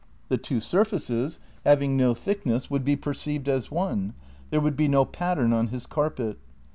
The two surfaces, having no thickness, would be perceived as one ; there would be no pattern on his carpet.